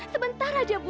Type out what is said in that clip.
sebentar aja bu